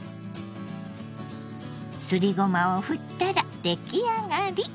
すりごまをふったらできあがり！